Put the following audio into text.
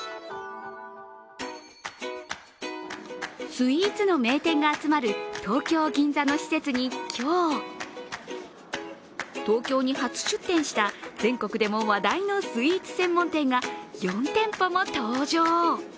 スイーツの名店が集まる東京・銀座の施設に今日東京に初出店した全国でも話題のスイーツ専門店が４店舗も登場。